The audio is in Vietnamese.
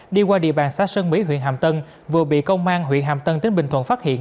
đi qua địa bàn xã sơn mỹ huyện hàm tân vừa bị công an huyện hàm tân tỉnh bình thuận phát hiện